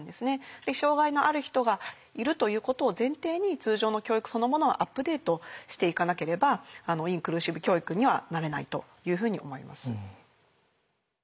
障害のある人がいるということを前提に通常の教育そのものをアップデートしていかなければインクルーシブ教育にはなれないというふうに思います。